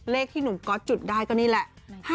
เลขที่หนุ่มก็จุดได้ก็นี่แหละ